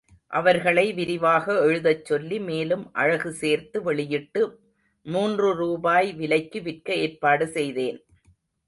அவர்களை விரிவாக எழுதச் சொல்லி, மேலும் அழகு சேர்த்து வெளியிட்டு மூன்று ரூபாய் விலைக்கு விற்க ஏற்பாடு செய்தேன்.